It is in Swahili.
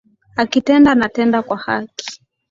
Akitenda anatenda kwa haki